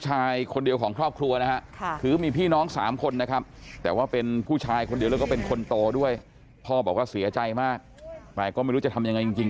จะแทงเขาก็หังหลังมายิง